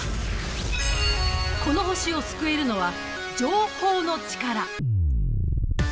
この星を救えるのは情報のチカラ。